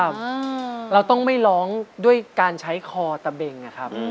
เราต้องไม่ร้องด้วยการใช้คอตะเบงอะครับ